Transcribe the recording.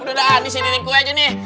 udah udah disini titik kue aja nih